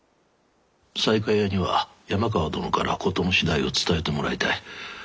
西海屋には山川殿から事の次第を伝えてもらいたい。